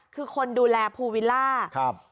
คือคนดูแลภูวิลล่าครับ